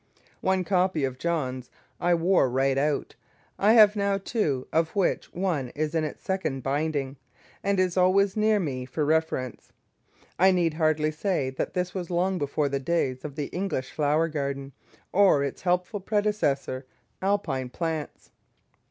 One copy of "Johns" I wore right out; I have now two, of which one is in its second binding, and is always near me for reference. I need hardly say that this was long before the days of the "English Flower Garden," or its helpful predecessor, "Alpine Plants."